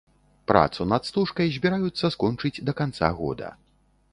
Працу над стужкай збіраюцца скончыць да канца года.